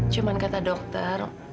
cuman kata dokter